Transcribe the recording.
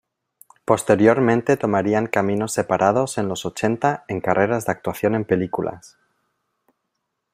Posteriormente tomarían caminos separados en los ochenta en carreras de actuación en películas.